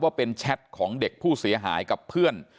ว่าเป็นแชทของเด็กผู้เสียหายกับเพื่อน